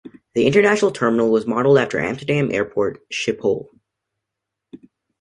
The international terminal was modelled after Amsterdam Airport Schiphol.